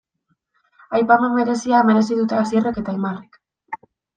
Aipamen berezia merezi dute Asierrek eta Aimarrek.